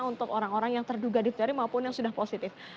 untuk orang orang yang terduga difteri maupun yang sudah positif